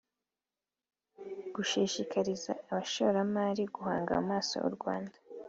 gushishikariza abashoramari guhanga amaso u Rwanda